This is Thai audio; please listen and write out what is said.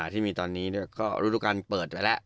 อ่อที่มีตอนนี้ด้วยก็ลูกรุการเปิดไปแล้ว